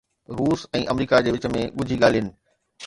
روس ۽ آمريڪا جي وچ ۾ ڳجهي ڳالهين